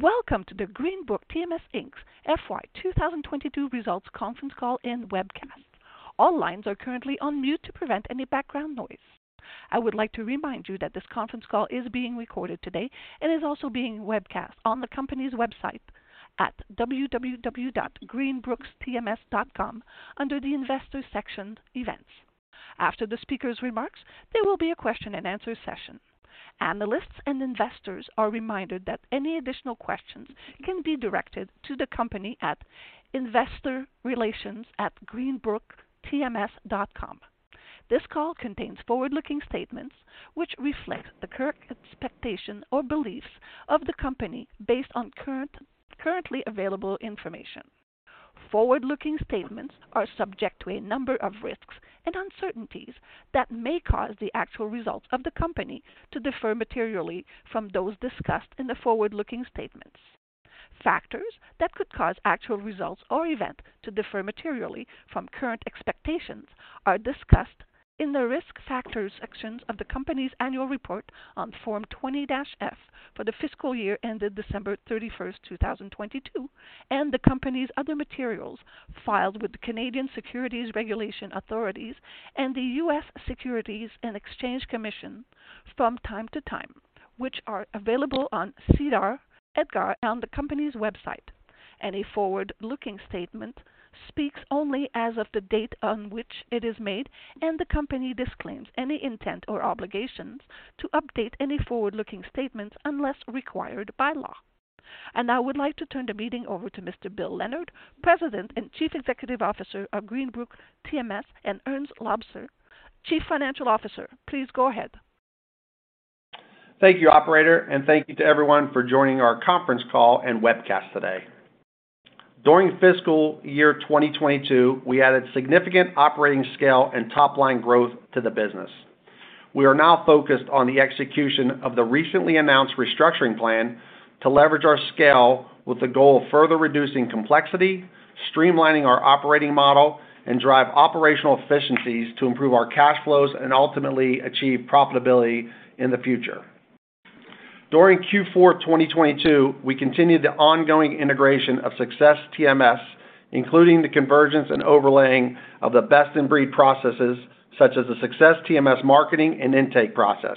Welcome to the Greenbrook TMS Inc.'s FY 2022 results conference call and webcast. All lines are currently on mute to prevent any background noise. I would like to remind you that this conference call is being recorded today and is also being webcast on the company's website at www.greenbrooktms.com under the Investors section, Events. After the speaker's remarks, there will be a question-and-answer session. Analysts and investors are reminded that any additional questions can be directed to the company at investorrelations@greenbrooktms.com. This call contains forward-looking statements which reflect the current expectation or beliefs of the company based on currently available information. Forward-looking statements are subject to a number of risks and uncertainties that may cause the actual results of the company to differ materially from those discussed in the forward-looking statements. Factors that could cause actual results or events to differ materially from current expectations are discussed in the Risk Factors sections of the company's annual report on Form 20-F for the fiscal year ended December 31st, 2022, and the company's other materials filed with the Canadian Securities Administrators and the U.S. Securities and Exchange Commission from time to time, which are available on SEDAR, EDGAR, and on the company's website. Any forward-looking statement speaks only as of the date on which it is made, and the company disclaims any intent or obligations to update any forward-looking statements unless required by law. I now would like to turn the meeting over to Mr. Bill Leonard, President and Chief Executive Officer of Greenbrook TMS, and Erns Loubser, Chief Financial Officer. Please go ahead. Thank you, operator, thank you to everyone for joining our conference call and webcast today. During fiscal year 2022, we added significant operating scale and top-line growth to the business. We are now focused on the execution of the recently announced restructuring plan to leverage our scale with the goal of further reducing complexity, streamlining our operating model, and drive operational efficiencies to improve our cash flows and ultimately achieve profitability in the future. During Q4 of 2022, we continued the ongoing integration of Success TMS, including the convergence and overlaying of the best-in-breed processes such as the Success TMS marketing and intake process.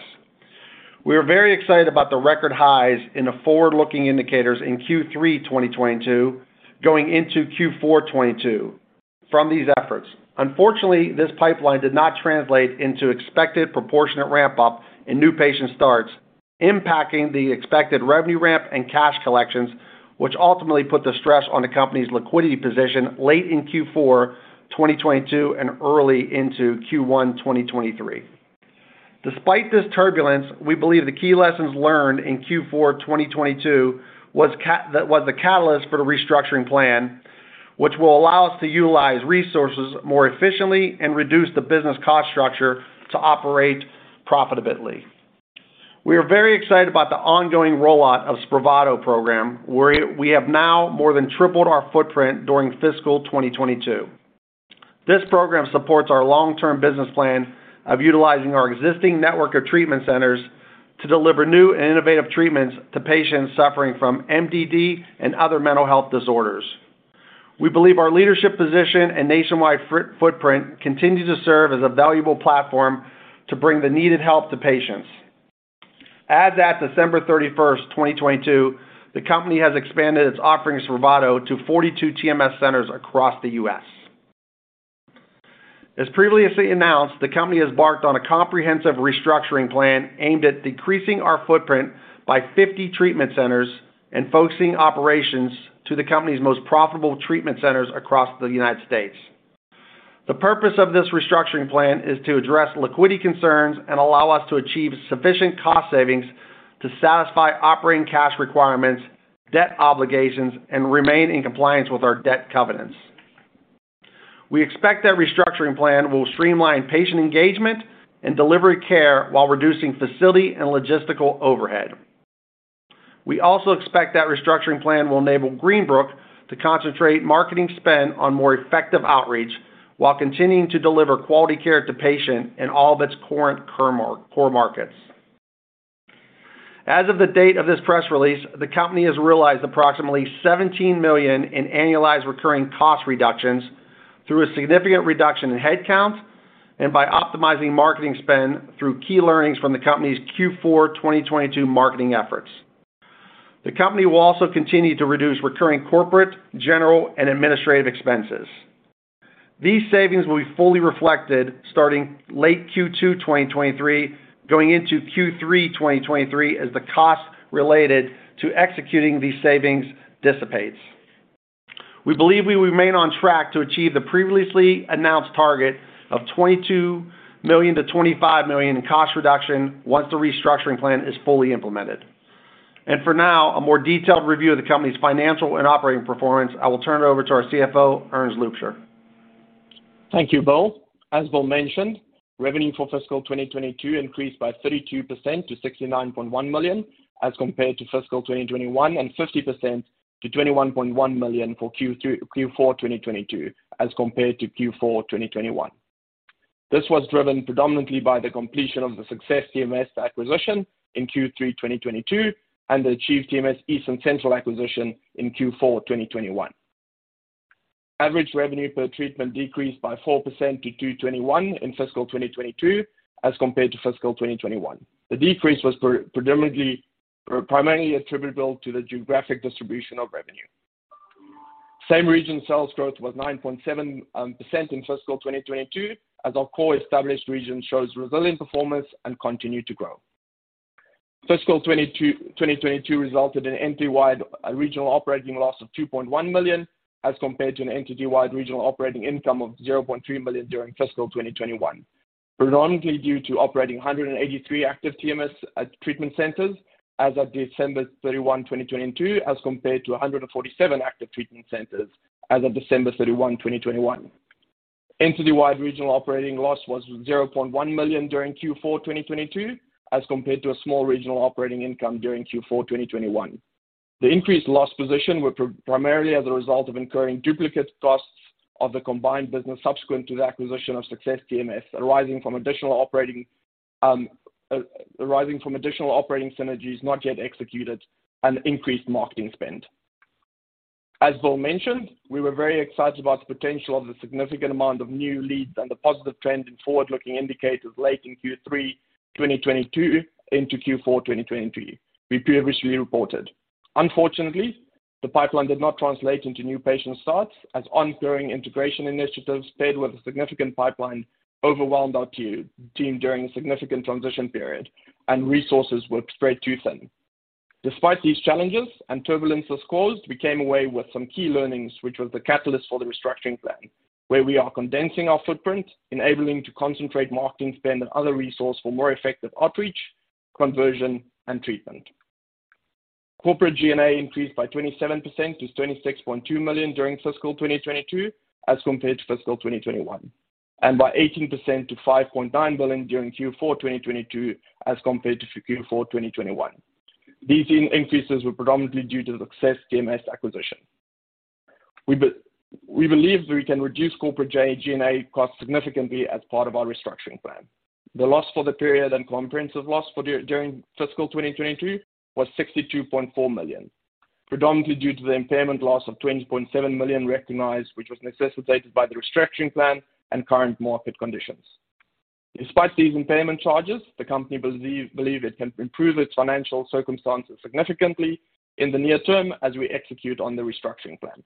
We are very excited about the record highs in the forward-looking indicators in Q3 2022 going into Q4 2022 from these efforts. Unfortunately, this pipeline did not translate into expected proportionate ramp-up in new patient starts, impacting the expected revenue ramp and cash collections, which ultimately put the stress on the company's liquidity position late in Q4 2022 and early into Q1 2023. Despite this turbulence, we believe the key lessons learned in Q4 2022 was the catalyst for the restructuring plan, which will allow us to utilize resources more efficiently and reduce the business cost structure to operate profitably. We are very excited about the ongoing rollout of SPRAVATO program, where we have now more than tripled our footprint during fiscal 2022. This program supports our long-term business plan of utilizing our existing network of treatment centers to deliver new and innovative treatments to patients suffering from MDD and other mental health disorders. We believe our leadership position and nationwide footprint continue to serve as a valuable platform to bring the needed help to patients. As at December 31st, 2022, the company has expanded its offering of SPRAVATO to 42 TMS centers across the U.S. As previously announced, the company has embarked on a comprehensive restructuring plan aimed at decreasing our footprint by 50 treatment centers and focusing operations to the company's most profitable treatment centers across the United States. The purpose of this restructuring plan is to address liquidity concerns and allow us to achieve sufficient cost savings to satisfy operating cash requirements, debt obligations, and remain in compliance with our debt covenants. We expect that restructuring plan will streamline patient engagement and delivery care while reducing facility and logistical overhead. We also expect that restructuring plan will enable Greenbrook to concentrate marketing spend on more effective outreach while continuing to deliver quality care to patient in all of its current core markets. As of the date of this press release, the company has realized approximately $17 million in annualized recurring cost reductions through a significant reduction in headcount and by optimizing marketing spend through key learnings from the company's Q4 2022 marketing efforts. The company will also continue to reduce recurring corporate, general, and administrative expenses. These savings will be fully reflected starting late Q2 2023, going into Q3 2023 as the cost related to executing these savings dissipates. We believe we remain on track to achieve the previously announced target of $22 million-$25 million in cost reduction once the restructuring plan is fully implemented. For now, a more detailed review of the company's financial and operating performance, I will turn it over to our CFO, Erns Loubser. Thank you, Bill. As Bill mentioned, revenue for fiscal 2022 increased by 32% to $69.1 million as compared to fiscal 2021, and 50% to $21.1 million for Q4 2022 as compared to Q4 2021. This was driven predominantly by the completion of the Success TMS acquisition in Q3 2022 and the Achieve TMS East and Central acquisition in Q4 2021. Average revenue per treatment decreased by 4% to $221 in fiscal 2022 as compared to fiscal 2021. The decrease was primarily attributable to the geographic distribution of revenue. Same region sales growth was 9.7% in fiscal 2022 as our core established region shows resilient performance and continued to grow. Fiscal 2022 resulted in entity-wide regional operating loss of $2.1 million, as compared to an entity-wide regional operating income of $0.3 million during fiscal 2021. Predominantly due to operating 183 active TMS at treatment centers as of December 31, 2022, as compared to 147 active treatment centers as of December 31, 2021. Entity wide regional operating loss was $0.1 million during Q4 2022, as compared to a small regional operating income during Q4 2021. The increased loss position were primarily as a result of incurring duplicate costs of the combined business subsequent to the acquisition of Success TMS, arising from additional operating synergies not yet executed and increased marketing spend. As Bill mentioned, we were very excited about the potential of the significant amount of new leads and the positive trend in forward-looking indicators late in Q3 2022 into Q4 2023, we previously reported. Unfortunately, the pipeline did not translate into new patient starts as ongoing integration initiatives, paired with a significant pipeline, overwhelmed our team during a significant transition period, and resources were spread too thin. Despite these challenges and turbulence this caused, we came away with some key learnings, which was the catalyst for the restructuring plan, where we are condensing our footprint, enabling to concentrate marketing spend and other resource for more effective outreach, conversion, and treatment. Corporate G&A increased by 27% to $26.2 million during fiscal 2022, as compared to fiscal 2021, and by 18% to $5.9 billion during Q4 2022, as compared to Q4 2021. These increases were predominantly due to the Success TMS acquisition. We believe we can reduce corporate G&A costs significantly as part of our restructuring plan. The loss for the period and comprehensive loss during fiscal 2022 was $62.4 million, predominantly due to the impairment loss of $20.7 million recognized, which was necessitated by the restructuring plan and current market conditions. Despite these impairment charges, the company believe it can improve its financial circumstances significantly in the near term as we execute on the restructuring plan.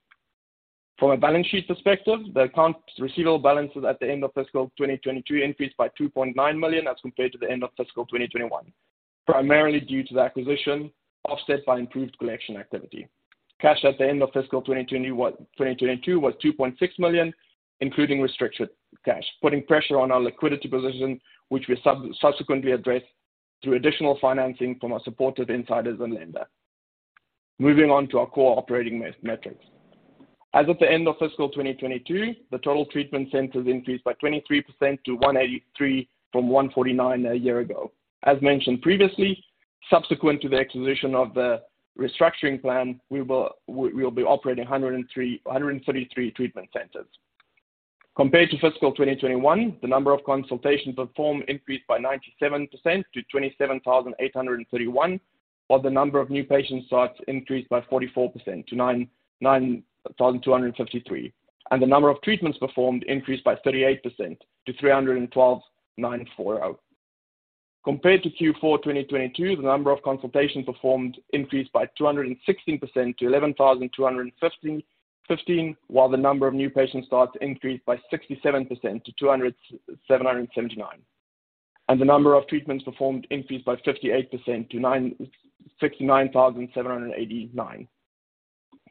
From a balance sheet perspective, the accounts receivable balances at the end of fiscal 2022 increased by $2.9 million as compared to the end of fiscal 2021, primarily due to the acquisition offset by improved collection activity. Cash at the end of fiscal 2022 was $2.6 million, including restricted cash, putting pressure on our liquidity position, which we subsequently addressed through additional financing from our supportive insiders and lender. Moving on to our core operating metrics. As at the end of fiscal 2022, the total treatment centers increased by 23% to 183 from 149 a year ago. As mentioned previously, subsequent to the acquisition of the restructuring plan, we will be operating 133 treatment centers. Compared to fiscal 2021, the number of consultations performed increased by 97% to 27,831, while the number of new patient starts increased by 44% to 9,253, and the number of treatments performed increased by 38% to 312,940. Compared to Q4 2022, the number of consultations performed increased by 216% to 11,215, while the number of new patient starts increased by 67% to 200,779 and the number of treatments performed increased by 58% to 69,789.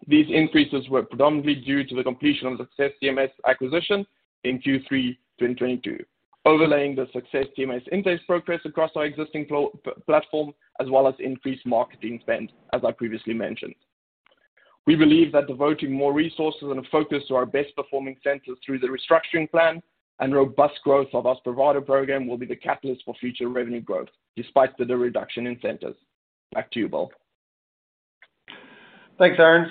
These increases were predominantly due to the completion of the Success TMS acquisition in Q3 2022, overlaying the Success TMS intake progress across our existing platform, as well as increased marketing spend, as I previously mentioned. We believe that devoting more resources and a focus to our best-performing centers through the restructuring plan and robust growth of our SPRAVATO program will be the catalyst for future revenue growth despite the reduction in centers. Back to you, Bill. Thanks, Erns.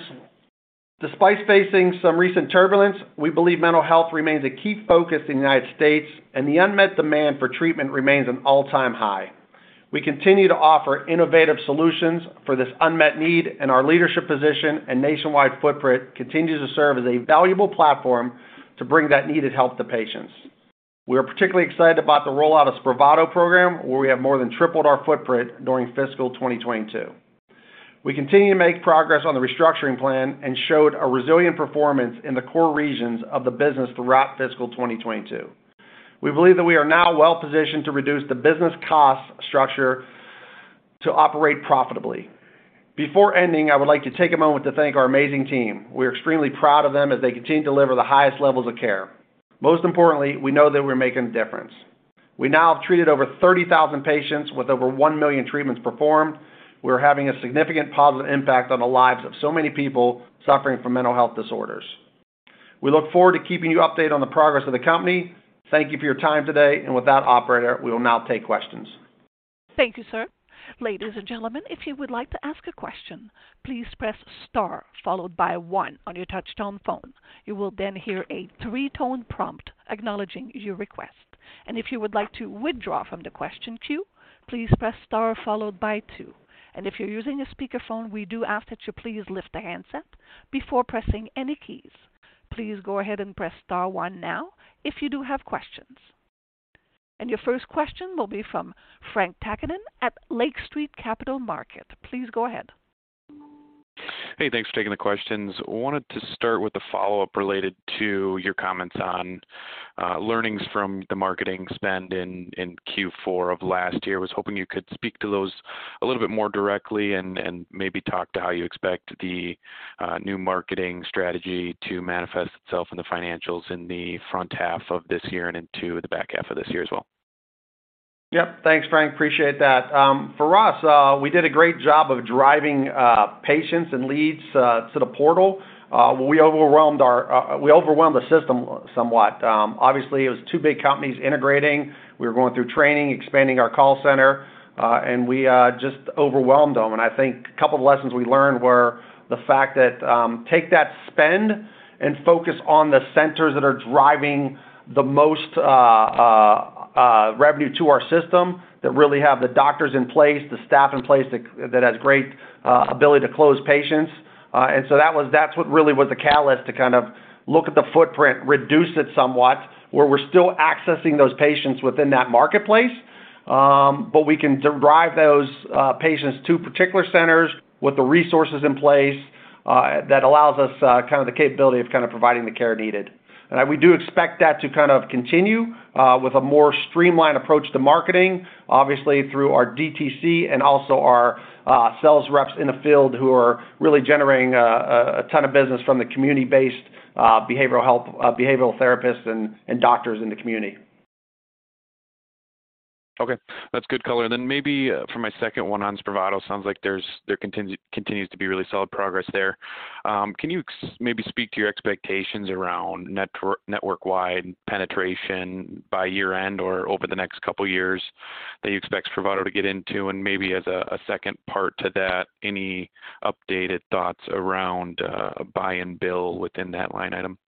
Despite facing some recent turbulence, we believe mental health remains a key focus in the United States, the unmet demand for treatment remains an all-time high. We continue to offer innovative solutions for this unmet need, our leadership position and nationwide footprint continues to serve as a valuable platform to bring that needed help to patients. We are particularly excited about the rollout of SPRAVATO program, where we have more than tripled our footprint during fiscal 2022. We continue to make progress on the restructuring plan and showed a resilient performance in the core regions of the business throughout fiscal 2022. We believe that we are now well positioned to reduce the business cost structure to operate profitably. Before ending, I would like to take a moment to thank our amazing team. We are extremely proud of them as they continue to deliver the highest levels of care. Most importantly, we know that we're making a difference. We now have treated over 30,000 patients with over 1 million treatments performed. We're having a significant positive impact on the lives of so many people suffering from mental health disorders. We look forward to keeping you updated on the progress of the company. Thank you for your time today, and with that, operator, we will now take questions. Thank you, sir. Ladies and gentlemen, if you would like to ask a question, please press Star followed by one on your touchtone phone. You will then hear a three-tone prompt acknowledging your request. If you would like to withdraw from the question queue, please press Star followed by two. If you're using a speakerphone, we do ask that you please lift the handset before pressing any keys. Please go ahead and press Star one now if you do have questions. Your first question will be from Frank Takkinen at Lake Street Capital Markets. Please go ahead. Thanks for taking the questions. I wanted to start with a follow-up related to your comments on learnings from the marketing spend in Q4 of last year. Was hoping you could speak to those a little bit more directly and maybe talk to how you expect the new marketing strategy to manifest itself in the financials in the front half of this year and into the back half of this year as well. Yep. Thanks, Frank. Appreciate that. For us, we did a great job of driving patients and leads to the portal. We overwhelmed the system somewhat. Obviously, it was two big companies integrating. We were going through training, expanding our call center, and we just overwhelmed them. I think a couple of lessons we learned were the fact that take that spend and focus on the centers that are driving the most revenue to our system, that really have the doctors in place, the staff in place that has great ability to close patients. That's what really was the catalyst to kind of look at the footprint, reduce it somewhat, where we're still accessing those patients within that marketplace, but we can derive those patients to particular centers with the resources in place that allows us kind of the capability of kind of providing the care needed. We do expect that to kind of continue with a more streamlined approach to marketing, obviously through our DTC and also our sales reps in the field who are really generating a ton of business from the community-based behavioral health, behavioral therapists and doctors in the community. That's good color. Maybe for my second one on SPRAVATO, sounds like there continues to be really solid progress there. Can you maybe speak to your expectations around network-wide penetration by year-end or over the next couple of years that you expect SPRAVATO to get into? Maybe as a second part to that, any updated thoughts around buy and bill within that line item?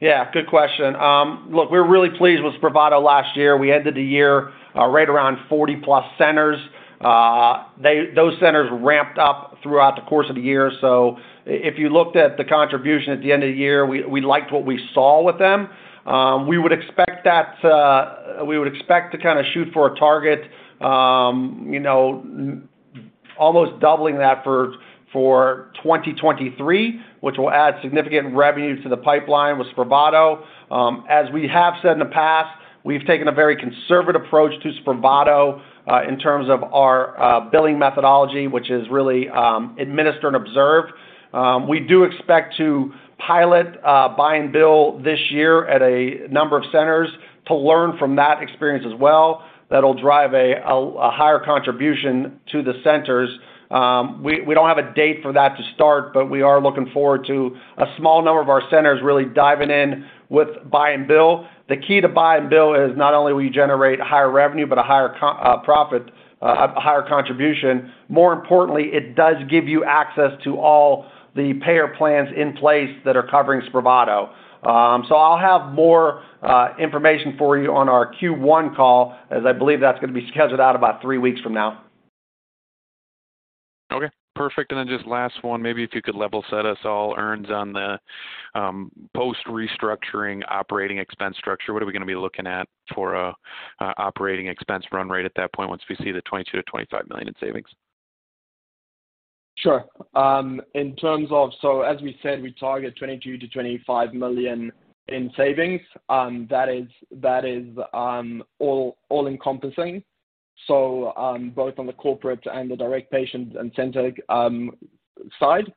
Yeah, good question. Look, we're really pleased with SPRAVATO last year. We ended the year right around 40+ centers. Those centers ramped up throughout the course of the year. If you looked at the contribution at the end of the year, we liked what we saw with them. We would expect that we would expect to kinda shoot for a target, you know, almost doubling that for 2023, which will add significant revenue to the pipeline with SPRAVATO. As we have said in the past, we've taken a very conservative approach to SPRAVATO in terms of our billing methodology, which is really administer and observe. We do expect to pilot buy and bill this year at a number of centers to learn from that experience as well. That'll drive a higher contribution to the centers. We don't have a date for that to start, but we are looking forward to a small number of our centers really diving in with buy and bill. The key to buy and bill is not only will you generate higher revenue, but a higher profit, a higher contribution. More importantly, it does give you access to all the payer plans in place that are covering SPRAVATO. I'll have more information for you on our Q1 call, as I believe that's gonna be scheduled out about three weeks from now. Okay. Perfect. Just last one, maybe if you could level set us all Erns on the post-restructuring operating expense structure. What are we gonna be looking at for operating expense run rate at that point once we see the $22 million-$25 million in savings? Sure. In terms of, as we said, we target $22 million-$25 million in savings. That is all-encompassing, so both on the corporate and the direct patient and center side.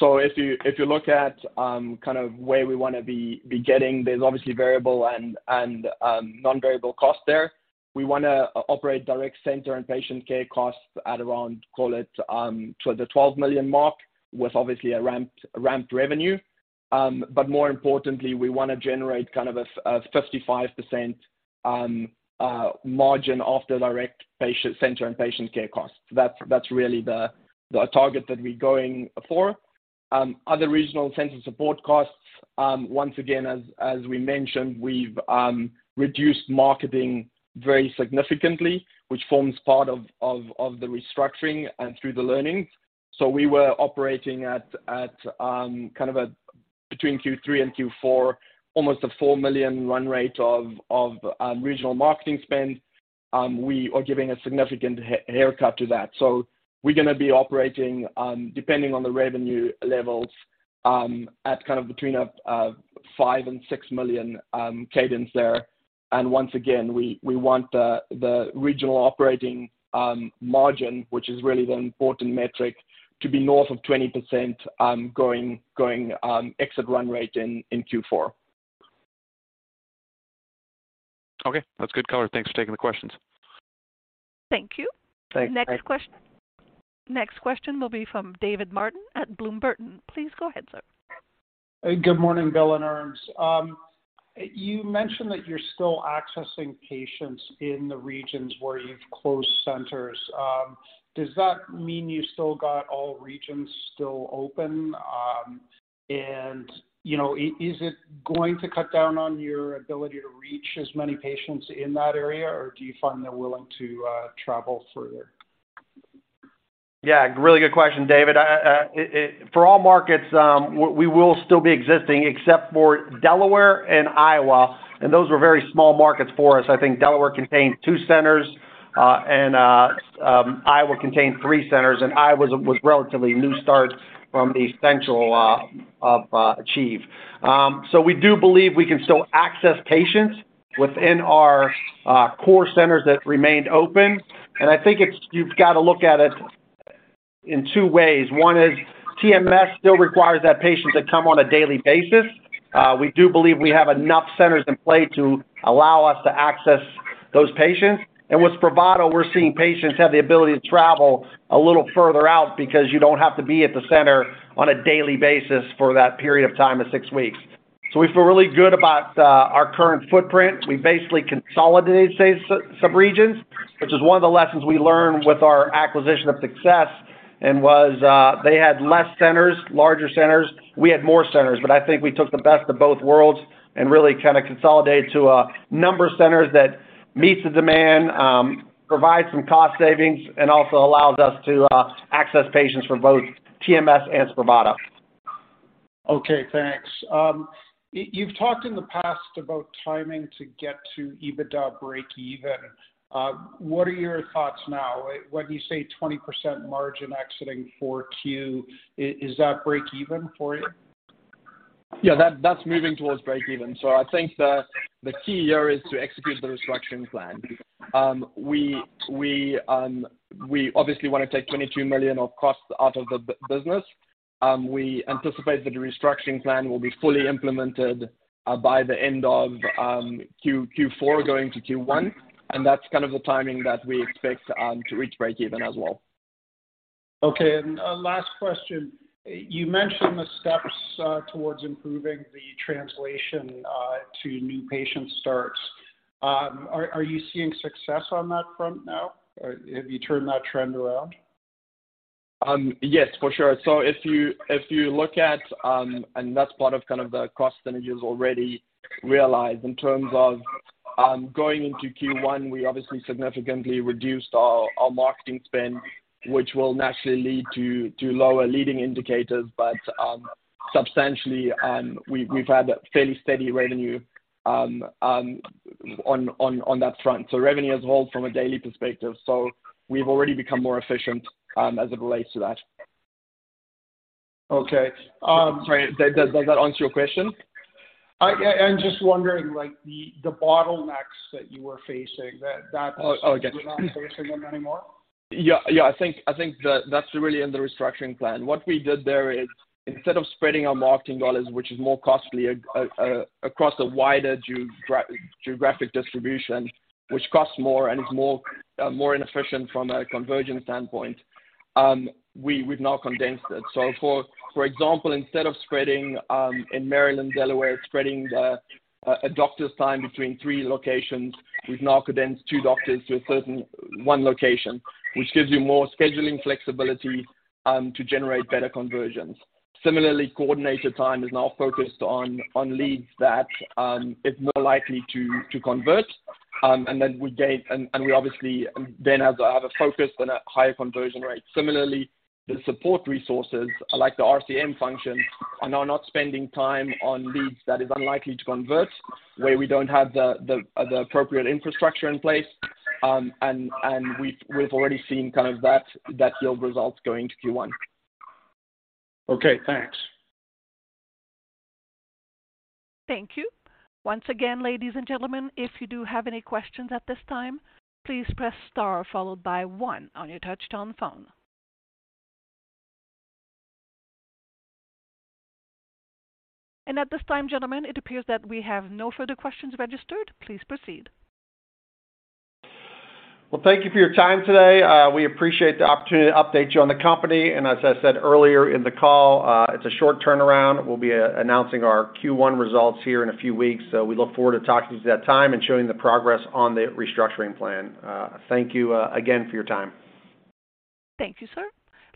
If you look at kind of where we wanna be getting, there's obviously variable and non-variable costs there. We wanna operate direct center and patient care costs at around, call it, the $12 million mark with obviously a ramped revenue. More importantly, we wanna generate kind of a 55% margin off the direct patient center and patient care costs. That's really the target that we're going for. Other regional center support costs, once again, as we mentioned, we've reduced marketing very significantly, which forms part of the restructuring and through the learnings. We were operating at kind of a between Q3 and Q4, almost a $4 million run rate of regional marketing spend. We are giving a significant haircut to that. We're gonna be operating, depending on the revenue levels, at kind of between a $5 million-$6 million cadence there. Once again, we want the regional operating margin, which is really the important metric, to be north of 20%, going exit run rate in Q4. Okay. That's good color. Thanks for taking the questions. Thank you. Thanks. Next quest- Thanks. Next question will be from David Martin at Bloom Burton. Please go ahead, sir. Good morning, Bill and Erns. You mentioned that you're still accessing patients in the regions where you've closed centers. Does that mean you still got all regions still open? And, you know, is it going to cut down on your ability to reach as many patients in that area, or do you find they're willing to travel further? Yeah, really good question, David. I for all markets, we will still be existing except for Delaware and Iowa, and those were very small markets for us. I think Delaware contained two centers, and Iowa contained three centers, and Iowa's was relatively new start from the central of Achieve. So we do believe we can still access patients within our core centers that remained open. I think you've got to look at it in two ways. One is TMS still requires that patient to come on a daily basis. We do believe we have enough centers in play to allow us to access those patients. With SPRAVATO, we're seeing patients have the ability to travel a little further out because you don't have to be at the center on a daily basis for that period of time of six weeks. We feel really good about our current footprint. We basically consolidated some regions, which is one of the lessons we learned with our acquisition of Success and was, they had less centers, larger centers. We had more centers. I think we took the best of both worlds and really kinda consolidated to a number of centers that meets the demand, provides some cost savings, and also allows us to access patients for both TMS and SPRAVATO. Okay, thanks. You've talked in the past about timing to get to EBITDA breakeven. What are your thoughts now? When you say 20% margin exiting 4Q, is that breakeven for you? Yeah, that's moving towards breakeven. I think the key here is to execute the restructuring plan. We obviously wanna take $22 million of costs out of the business. We anticipate that the restructuring plan will be fully implemented by the end of Q4 going to Q1, and that's kind of the timing that we expect to reach breakeven as well. Okay. last question. You mentioned the steps towards improving the translation to new patient starts. Are you seeing Success on that front now? Or have you turned that trend around? Yes, for sure. If you look at, and that's part of kind of the cost synergies already realized in terms of going into Q1, we obviously significantly reduced our marketing spend, which will naturally lead to lower leading indicators. Substantially, we've had fairly steady revenue on that front. Revenue has hold from a daily perspective, so we've already become more efficient as it relates to that. Okay. Sorry, does that answer your question? just wondering, like the bottlenecks that you were facing, that? Oh, okay. You're not facing them anymore? Yeah. I think that that's really in the restructuring plan. What we did there is instead of spreading our marketing dollars, which is more costly across a wider geographic distribution, which costs more and is more inefficient from a conversion standpoint, we've now condensed it. For example, instead of spreading in Maryland, Delaware, spreading a doctor's time between three locations, we've now condensed two doctors to a certain one location, which gives you more scheduling flexibility to generate better conversions. Similarly, coordinator time is now focused on leads that is more likely to convert. We obviously then have a focus and a higher conversion rate. Similarly, the support resources like the RCM function are now not spending time on leads that is unlikely to convert, where we don't have the appropriate infrastructure in place. We've already seen kind of that yield results going to Q1. Okay, thanks. Thank you. Once again, ladies and gentlemen, if you do have any questions at this time, please press star followed by one on your touch-tone phone. At this time, gentlemen, it appears that we have no further questions registered. Please proceed. Well, thank you for your time today. We appreciate the opportunity to update you on the company. As I said earlier in the call, it's a short turnaround. We'll be announcing our Q1 results here in a few weeks. We look forward to talking to you at that time and showing the progress on the restructuring plan. Thank you, again for your time. Thank you, sir.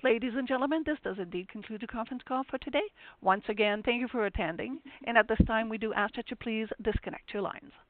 Ladies and gentlemen, this does indeed conclude the conference call for today. Once again, thank you for attending. At this time, we do ask that you please disconnect your lines.